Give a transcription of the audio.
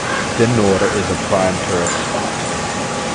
Thennoor is a prime tourist spot.